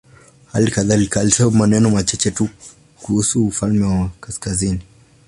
Hali kadhalika alisema maneno machache tu kuhusu ufalme wa kaskazini.